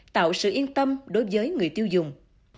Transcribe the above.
tạo sự yên tâm đối với người tiêu dùng